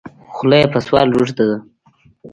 خوله یې په سوال روږده ده.